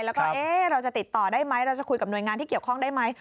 แล้วก็เราจะติดต่อได้ไหมเราจะคุยกับหน่วยงานที่เกี่ยวข้องได้ไหม